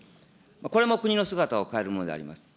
これも国の姿を変えるものであります。